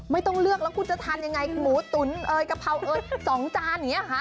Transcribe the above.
ไม่ต้องเลือกแล้วคุณจะทานยังไงหมูตุ๋นเอยกะเพราเอย๒จานอย่างนี้ค่ะ